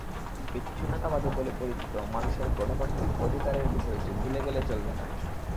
বিচ্ছিন্নতাবাদী বলে পরিচিত মানুষের গণতান্ত্রিক অধিকারের বিষয়টি ভুলে গেলে চলবে না।